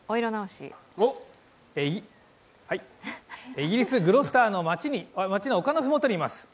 イギリス・グロスターの街の丘のふもとにいます。